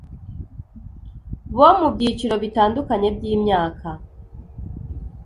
bo mu byiciro bitandukanye by'imyaka